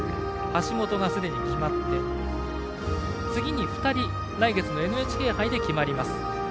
橋本がすでに決まって次に２人来月のＮＨＫ杯で決まります。